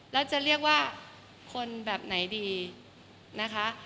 แล้วจะเรียกว่าคนแบบไหนดีนะคะ